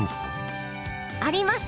ありました